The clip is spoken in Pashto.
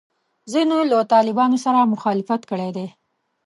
ځینو له طالبانو سره مخالفت کړی دی.